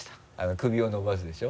首を伸ばすでしょ？